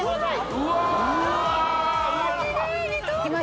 ・うわ！